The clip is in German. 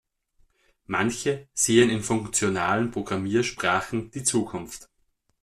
Manche sehen in funktionalen Programmiersprachen die Zukunft.